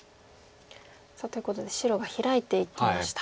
ということで白がヒラいていきました。